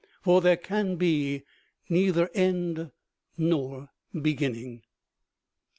For there can be neither end nor beginning.